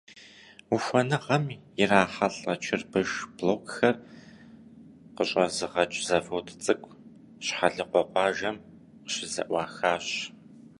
Ухуэныгъэм ирахьэлӏэ чырбыш блокхэр къыщӏэзыгъэкӏ завод цӏыкӏу Щхьэлыкъуэ къуажэм къыщызэӏуахащ.